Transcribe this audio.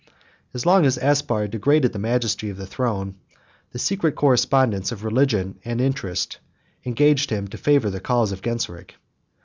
As long as Aspar degraded the majesty of the throne, the secret correspondence of religion and interest engaged him to favor the cause of Genseric.